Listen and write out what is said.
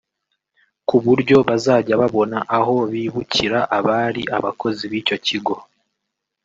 kuburyo bazajya babona aho bibukira abari abakozi bicyo kigo